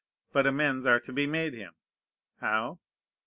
But amends are to be made him. How?